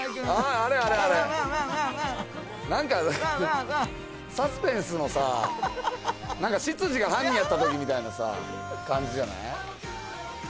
なんかサスペンスのさ、執事が犯人だった時みたいな感じじゃない？